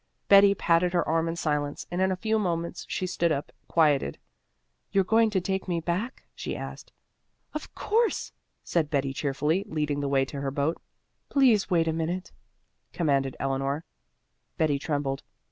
Betty patted her arm in silence, and in a few moments she stood up, quieted. "You're going to take me back?" she asked. "Of course," said Betty, cheerfully, leading the way to her boat. "Please wait a minute," commanded Eleanor. Betty trembled.